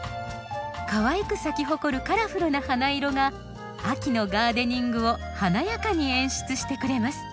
かわいく咲き誇るカラフルな花色が秋のガーデニングを華やかに演出してくれます。